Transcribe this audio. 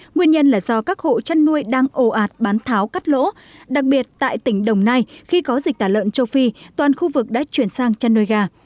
nguyên nhân là do các hộ chăn nuôi đang ồ ạt bán tháo cắt lỗ đặc biệt tại tỉnh đồng nai khi có dịch tả lợn châu phi toàn khu vực đã chuyển sang chăn nuôi gà